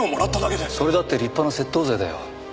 それだって立派な窃盗罪だよ。